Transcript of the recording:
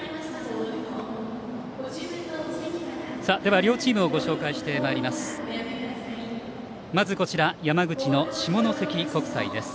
では両チームをご紹介してまいります。